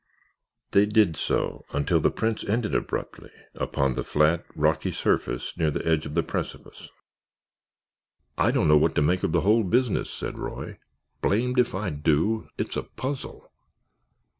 They did so until the prints ended abruptly upon the flat, rocky surface near the edge of the precipice. "I don't know what to make of the whole business," said Roy. "Blamed if I do! It's a puzzle."